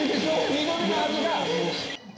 二度見のはずが。